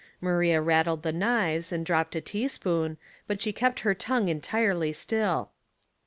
Maria rattled the knives and dropped a teaspoon, but she kept her tongue entirely still.